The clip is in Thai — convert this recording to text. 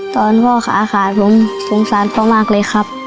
ตอนพ่อขาขาดผมสงสารพ่อมากเลยครับ